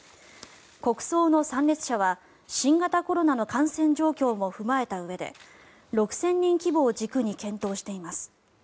国葬の参列者は新型コロナの感染状況も踏まえたうえで６０００人規模を軸に検討しています。